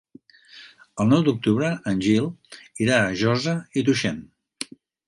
El nou d'octubre en Gil irà a Josa i Tuixén.